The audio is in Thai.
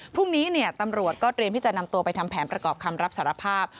พรุ่งนี้ตำรวจก็เตรียมที่จะนำตัวไปทำแผนประกอบคำรับสารภาพ